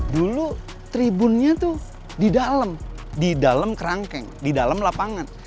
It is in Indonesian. dulu tribunnya itu di dalam di dalam kerangkeng di dalam lapangan